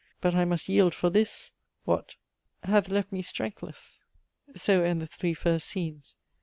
But I must yield, for this" (what?) "hath left me strengthless." So end the three first scenes.